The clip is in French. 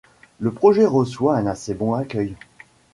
Le projet reçoit un assez bon accueil.